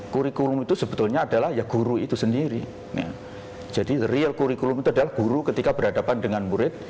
kurikulum itu sebetulnya adalah ya guru itu sendiri jadi real kurikulum itu adalah guru ketika berhadapan dengan murid